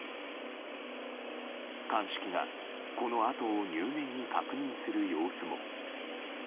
鑑識がこの跡を入念に確認する様子も。